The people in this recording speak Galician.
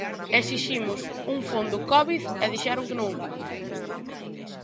Exiximos un fondo covid e dixeron que non.